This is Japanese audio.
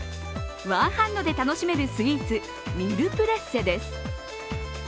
ワンハンドで楽しめるスイーツ、ミルプレッセです。